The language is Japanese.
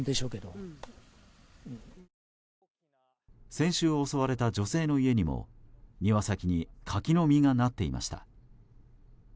先週襲われた女性の家にも庭先に柿の実がなっていました。